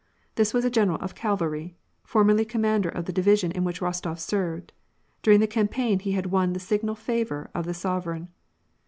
This was a general of cavalry, formerly commander of the division in which Rostof served. During that campaign he had won the signal favor of the sovereign.